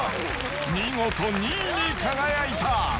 見事２位に輝いた。